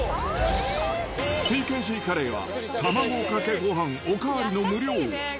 ＴＫＧカレーは、卵かけごはんお代わりの無料。